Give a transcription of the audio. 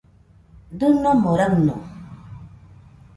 Dɨnomo raɨno